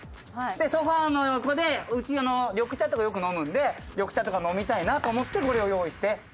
ソファの横でうち緑茶とかよく飲むんで緑茶とか飲みたいなと思ってこれを用意して。